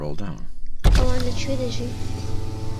ئەوان لەکوێ دەژین؟